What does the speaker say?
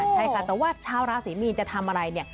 ใช่ค่ะแต่ว่าชาวราศรีมีนจะทำอะไรเนี่ย